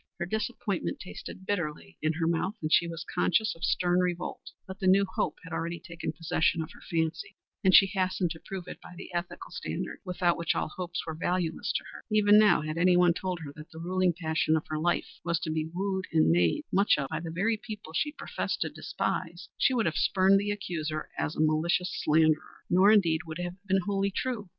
Her disappointment tasted bitterly in her mouth, and she was conscious of stern revolt; but the new hope had already taken possession of her fancy, and she hastened to prove it by the ethical standard without which all hopes were valueless to her. Even now had anyone told her that the ruling passion of her life was to be wooed and made much of by the very people she professed to despise, she would have spurned the accuser as a malicious slanderer. Nor indeed would it have been wholly true.